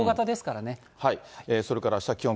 それからあした、気温、